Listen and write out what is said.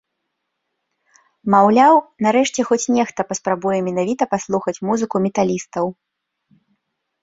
Маўляў, нарэшце хоць нехта паспрабуе менавіта паслухаць музыку металістаў.